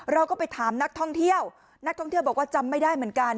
เราก็ไปถามนักท่องเที่ยวนักท่องเที่ยวบอกว่าจำไม่ได้เหมือนกัน